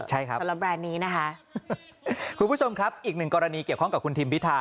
ใช่ครับคุณผู้ชมครับอีกหนึ่งกรณีเกี่ยวข้องกับคุณทิมพิทา